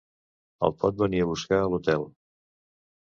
El pot venir a buscar a l'hotel.